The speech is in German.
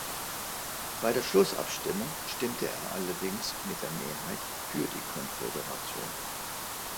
Bei der Schlussabstimmung stimmte er allerdings mit der Mehrheit für die Konföderation.